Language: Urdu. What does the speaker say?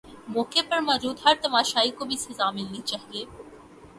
موقع پر موجود ہر تماشائی کو بھی سزا ملنی چاہیے